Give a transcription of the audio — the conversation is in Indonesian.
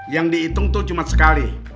yang dihitung itu cuma sekali